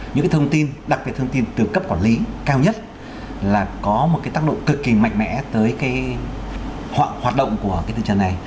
những cái thông tin đặc biệt thông tin từ cấp quản lý cao nhất là có một cái tác động cực kỳ mạnh mẽ tới cái hoạt động của cái tư trần này